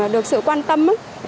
được sự quan tâm